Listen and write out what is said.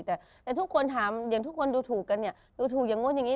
แต่ทุกคนถามอย่างทุกคนดูถูกกันเนี่ยดูถูกอย่างนู้นอย่างนี้